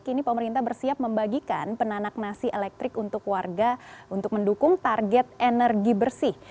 kini pemerintah bersiap membagikan penanak nasi elektrik untuk warga untuk mendukung target energi bersih